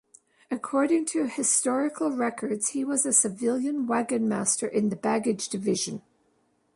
According to historical records, he was a civilian wagon master in the baggage division.